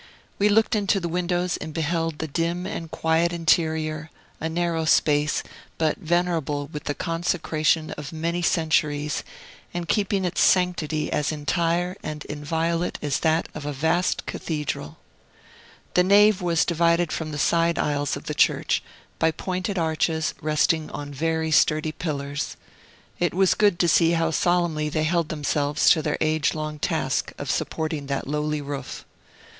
We looked into the windows and beheld the dim and quiet interior, a narrow space, but venerable with the consecration of many centuries, and keeping its sanctity as entire and inviolate as that of a vast cathedral. The nave was divided from the side aisles of the church by pointed arches resting on very sturdy pillars: it was good to see how solemnly they held themselves to their age long task of supporting that lowly roof.